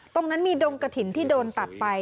ตรงนั้นมีดงกระถิ่นที่โดนตัดไป